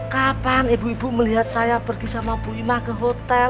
kapan ibu ibu melihat saya pergi sama bu ima ke hotel